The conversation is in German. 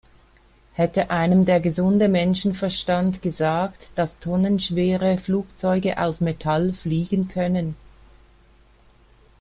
Hätte einem der gesunde Menschenverstand gesagt, dass tonnenschwere Flugzeuge aus Metall fliegen können?